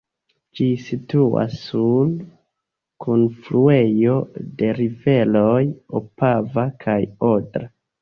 Ĝi situas sur kunfluejo de riveroj Opava kaj Odra.